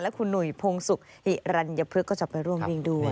และคุณหนุ่ยพงศึกฮิรัณยพริกก็จะไปร่วมวิ่งด้วย